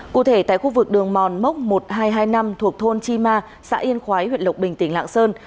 cụ thể tại khu vực đường mòn mốc một nghìn hai trăm hai mươi năm thuộc thôn chi ma xã yên khói huyện lộc bình tỉnh lạng sơn